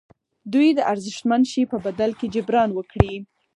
دوی د ارزښتمن شي په بدل کې جبران وکړي.